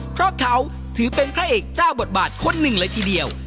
เพราะเขาถือเป็นพระเอกเจ้าบทบาทคนหนึ่งเลยทีเดียว